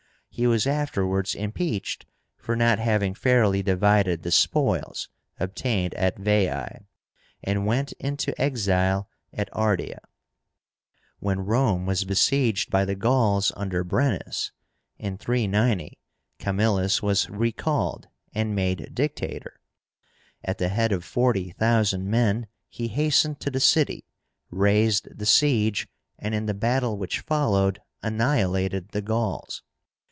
He was afterwards impeached for not having fairly divided the spoils obtained at Veii, and went into exile at Ardea. When Rome was besieged by the Gauls under Brennus, in 390, Camillus was recalled and made Dictator. At the head of forty thousand men he hastened to the city, raised the siege, and in the battle which followed annihilated the Gauls.